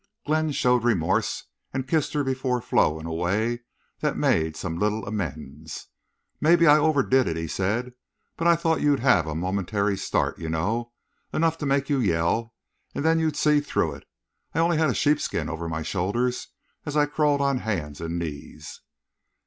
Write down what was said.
Glenn showed remorse, and kissed her before Flo in a way that made some little amends. "Maybe I overdid it," he said. "But I thought you'd have a momentary start, you know, enough to make you yell, and then you'd see through it. I only had a sheepskin over my shoulders as I crawled on hands and knees."